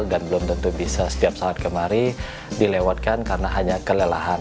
dan belum tentu bisa setiap saat kemari dilewatkan karena hanya kelelahan